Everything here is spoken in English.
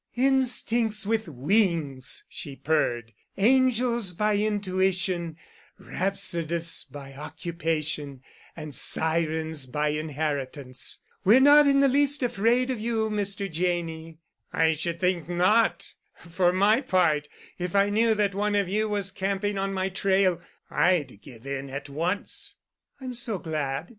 "Instincts with wings," she purred, "angels by intuition, rhapsodists by occupation, and sirens by inheritance. We're not in the least afraid of you, Mr. Janney." "I should think not. For my part, if I knew that one of you was camping on my trail, I'd give in at once." "I'm so glad.